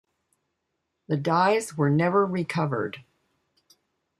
The dies were never recovered.